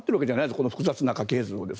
この複雑な家系図を。